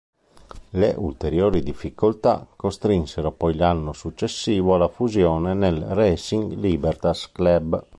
Le ulteriori difficoltà costrinsero poi l'anno successivo alla fusione nel Racing Libertas Club.